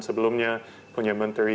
sebelumnya punya menteri